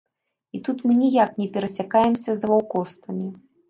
І тут мы ніяк не перасякаемся з лоўкостамі.